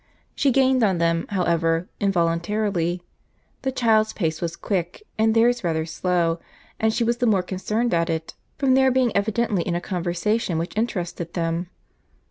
She gained on them, however, involuntarily: the child's pace was quick, and theirs rather slow; and she was the more concerned at it, from their being evidently in a conversation which interested them.